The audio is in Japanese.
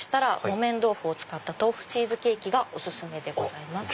木綿豆腐を使った豆腐チーズケーキがお薦めです。